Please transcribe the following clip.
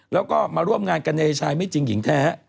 แล้วก็มาร่วมงานกันในชายไม่จริงหญิงแท้